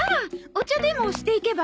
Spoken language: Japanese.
お茶でもしていけば？